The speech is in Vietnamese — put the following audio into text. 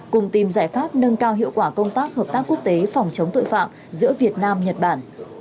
cùng tìm giải pháp nâng cao hiệu quả công tác hợp tác quốc tế phòng chống tội phạm giữa việt nam nhật bản